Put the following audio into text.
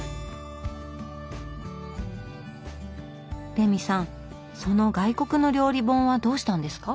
レミさんその外国の料理本はどうしたんですか？